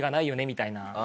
みたいな。